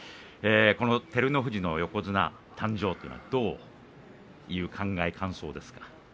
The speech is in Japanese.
照ノ富士の横綱誕生というのはどういう考え、感想ですか。